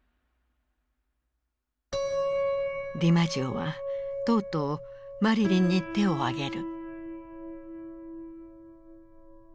ディマジオはとうとうマリリンに手を上げる。